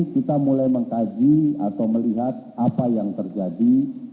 kita mulai mengkaji atau melihat apa yang terjadi